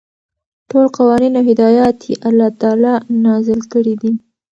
ټول قوانين او هدايات يي الله تعالى نازل كړي دي ،